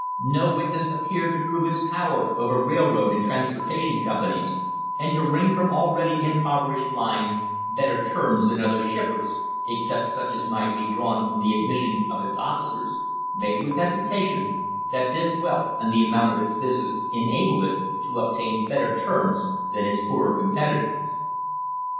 No witness appeared to prove its power over railroad and transportation companies and to wring from already im poverished lines better terms than other shippers, except such as might be drawn from the admission of its officers, made with hesitation, that this wealth and the amount of its business enabled it to obtain better terms than its poorer competitors."